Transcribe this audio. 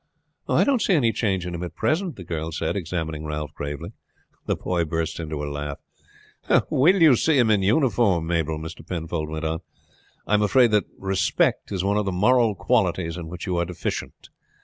"I don't see any change in him at present," the girl said, examining Ralph gravely. The boy burst into a laugh. "Wait till you see him in uniform, Mabel," Mr. Penfold went on. "I am afraid that respect is one of the moral qualities in which you are deficient.